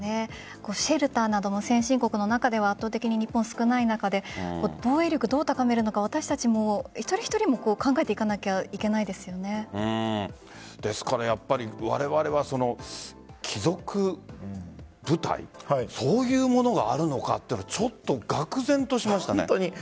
シェルターなども先進国の中では圧倒的に少ない中で防衛力をどう高めるのか私たち一人一人も考えていかないとですから、われわれは貴族部隊そういうものがあるのかとちょっとがく然としましたね。